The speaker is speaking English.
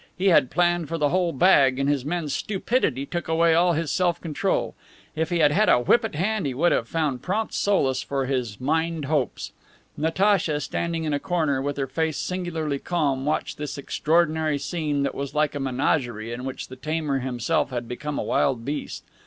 He had planned for the whole bag, and his men's stupidity took away all his self control. If he had had a whip at hand he would have found prompt solace for his mined hopes. Natacha, standing in a corner, with her face singularly calm, watched this extraordinary scene that was like a menagerie in which the tamer himself had become a wild beast.